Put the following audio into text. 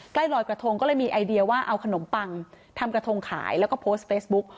ลอยกระทงก็เลยมีไอเดียว่าเอาขนมปังทำกระทงขายแล้วก็โพสต์เฟซบุ๊ก